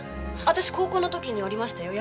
私高校の時に折りましたよ。